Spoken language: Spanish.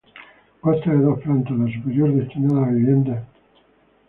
Consta de dos plantas, la superior destinada a vivienda.